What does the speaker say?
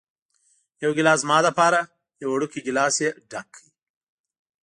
یو ګېلاس زما لپاره، یو وړوکی ګېلاس یې ډک کړ.